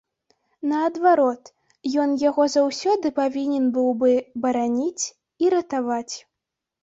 Наадварот, ён яго заўсёды павінен быў бы бараніць і ратаваць.